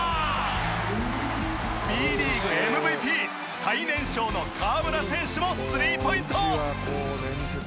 ＢリーグＭＶＰ最年少の河村選手もスリーポイント。